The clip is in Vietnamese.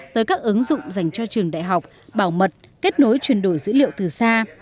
tới các ứng dụng dành cho trường đại học bảo mật kết nối chuyển đổi dữ liệu từ xa